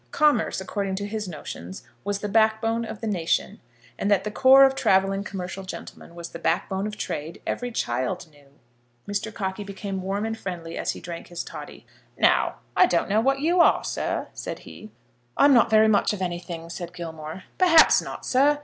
Commerce, according to his notions, was the back bone of the nation; and that the corps of travelling commercial gentlemen was the back bone of trade, every child knew. Mr. Cockey became warm and friendly as he drank his toddy. "Now, I don't know what you are, sir," said he. "I'm not very much of anything," said Gilmore. "Perhaps not, sir.